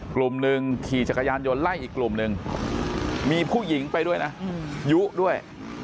กลุ่มหนึ่งขี่จักรยานยนต์ไล่อีกกลุ่มหนึ่งมีผู้หญิงไปด้วยนะยุด้วย